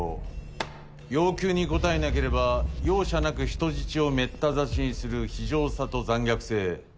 要求に応えなければ容赦なく人質をめった刺しにする非情さと残虐性。